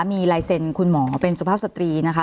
มีลายเซ็นต์คุณหมอเป็นสุภาพสตรีนะคะ